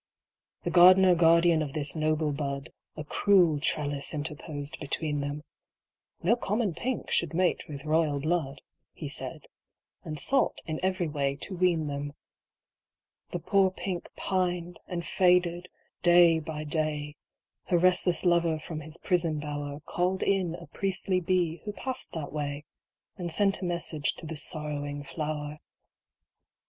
The gardener guardian of this noble bud A cruel trellis interposed between them. No common Pink should mate with royal blood, He said, and sought in every way to wean them. The poor Pink pined and faded day by day: Her restless lover from his prison bower Called in a priestly bee who passed that way, And sent a message to the sorrowing flower.